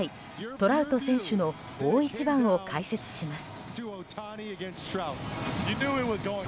トラウト選手の大一番を解説します。